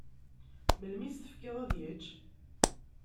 Melmi i s-tefkiḍ ad yečč?